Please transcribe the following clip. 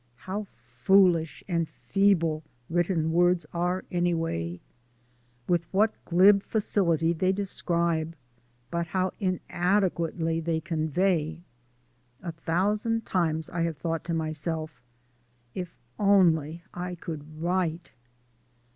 How foolish and feeble written words are anyway! With what glib facility they describe, but how inadequately they convey. A thousand times I have thought to myself, "If only I could WRITE!"